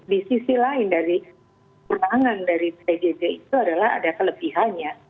di sisi lain dari kurangan dari pjj itu adalah ada kelebihannya